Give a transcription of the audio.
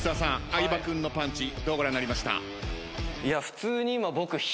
相葉君のパンチどうご覧になりました？